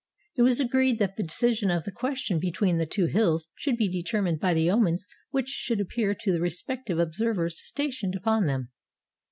It was agreed that the decision of the question between the two hills should be determined by the omens which should appear to the respective observers stationed upon them.